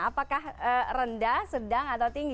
apakah rendah sedang atau tinggi